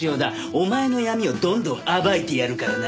お前の闇をどんどん暴いてやるからな。